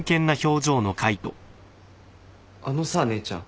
あのさ姉ちゃん。